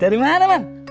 dari mana man